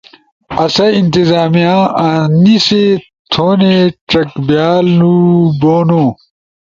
اسہ ئی انتظامیہ انیسی تھونے چک بیانو ہُون: